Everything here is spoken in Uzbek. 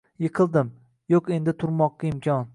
Yiqildim, yo’q edi turmoqqa imkon